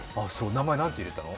名前なんて入れたの？